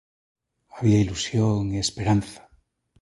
Había ilusión e esperanza.